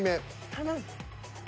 頼む。